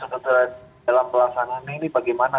sebetulnya dalam pelaksanaan ini bagaimana